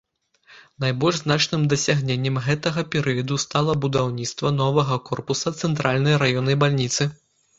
Найбольш значным дасягненнем гэтага перыяду стала будаўніцтва новага корпуса цэнтральнай раённай бальніцы.